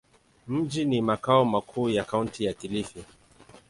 Mji ni makao makuu ya Kaunti ya Kilifi.